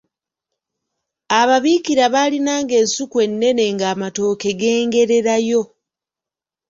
Ababiikira baalinanga ensuku ennene ng’amatooke gengererayo.